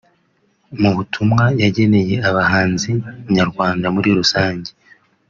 Mu butumwa yageneye abahanzi nyarwanda muri rusange